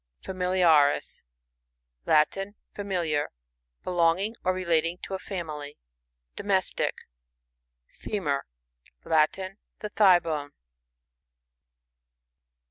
Familiaris. — Latin. Familiar. Be longing or relating to a family. Domestic. Femur.— Latin. The thigh bone.